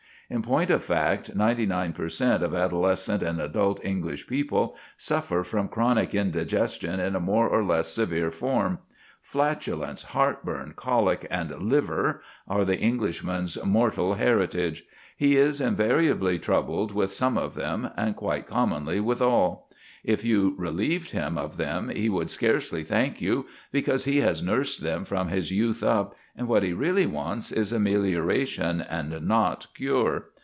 In point of fact, ninety nine per cent. of adolescent and adult English people suffer from chronic indigestion in a more or less severe form. Flatulence, heartburn, colic, and "liver" are the Englishman's mortal heritage. He is invariably troubled with some of them, and quite commonly with all. If you relieved him of them he would scarcely thank you, because he has nursed them from his youth up, and what he really wants is amelioration, and not cure.